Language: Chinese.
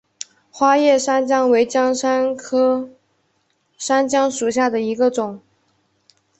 花叶山姜为姜科山姜属下的一个种。